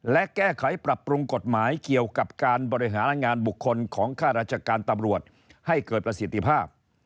และแก้ไขปรับปรุงกฎหมายเกี่ยวกับการบริหารงานบุคคลของค่าราชการตำรวจให้เกิดประสิทธิภาพ